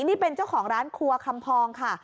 นี่เป็นเจ้าของร้านครัวคำพองค่ะ